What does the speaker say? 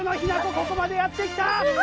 ここまでやって来た！